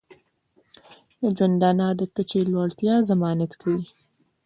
د ژوندانه د کچې د لوړتیا ضمانت کوي.